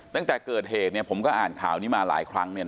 ตั้งแต่เกิดเหตุผมก็อ่านข่าวนี้มาหลายครั้ง